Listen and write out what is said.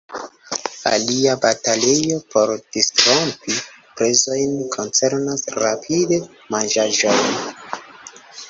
Alia batalejo por disrompi prezojn koncernas rapid-manĝaĵojn.